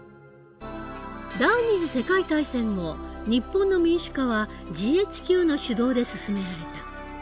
第２次世界大戦後日本の民主化はＧＨＱの主導で進められた。